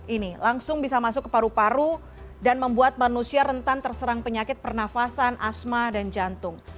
ini langsung bisa masuk ke paru paru dan membuat manusia rentan terserang penyakit pernafasan asma dan jantung